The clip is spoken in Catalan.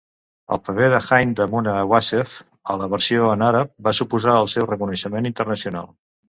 El paper de Hind de Muna Wassef a la versió en àrab va suposar el seu reconeixement internacional.